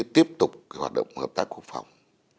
tiếp tục cái hoạt động hợp tác quốc phòng